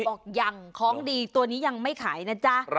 บอกยังของดีตัวนี้ยังไม่ขายนะจ๊ะ